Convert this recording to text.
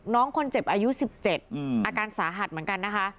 น้องคนเจ็บอายุ๑๗อาการสาหัสเหมือนกันนะคะ